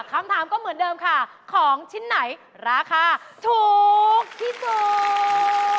คำถามก็เหมือนเดิมค่ะของชิ้นไหนราคาถูกที่สุด